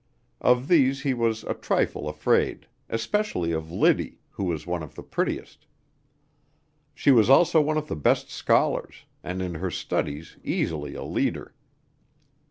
Of these he was a trifle afraid, especially of Liddy, who was one of the prettiest. She was also one of the best scholars, and in her studies easily a leader.